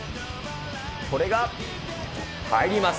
これが入ります。